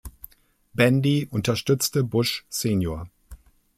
Bandy unterstützte Bush sr.